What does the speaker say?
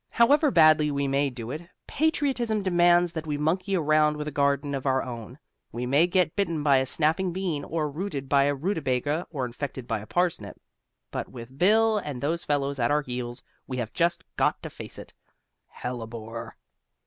However badly we may do it, patriotism demands that we monkey around with a garden of our own. We may get bitten by a snapping bean or routed by a rutabaga or infected by a parsnip. But with Bill and those fellows at our heels we have just got to face it. Hellebore!